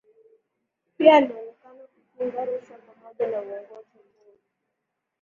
Pia alionekana kupinga rushwa pamoja na uongozi mbovu